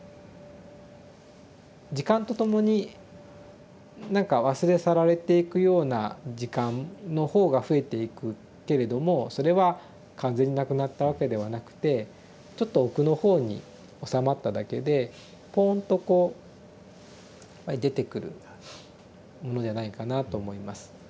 時間とともに何か忘れ去られていくような時間の方が増えていくけれどもそれは完全になくなったわけではなくてちょっと奥の方におさまっただけでぽんとこう出てくるものじゃないかなと思います。